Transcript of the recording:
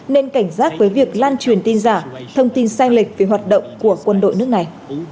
nên cảnh giác với việc lan truyền tin giả thông tin sai lệch về hoạt động của quân đội nước này